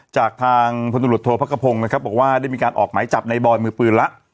จากทางพลตรวจโทษพระกระพงศ์นะครับบอกว่าได้มีการออกหมายจับในบอยมือปืนแล้ว